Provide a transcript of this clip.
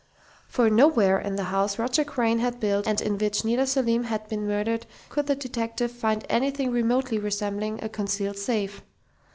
For nowhere in the house Roger Crain had built and in which Nita Selim had been murdered could the detective find anything remotely resembling a concealed safe.